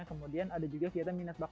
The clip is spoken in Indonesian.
kemudian ada juga kira kira kegiatan sosial